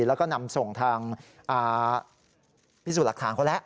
แล้วก็นำส่งทางพิสูจน์หลักฐานเขาแล้ว